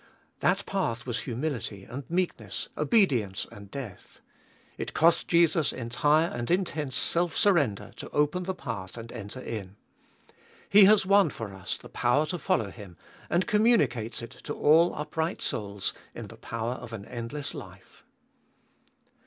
That path was humility and meekness, obedience and death. It cost Jesus entire and intense self surrender to open the path and enter in. He has won for us the power to follow Him, and communicates it to all upright souls in the power of an endless life.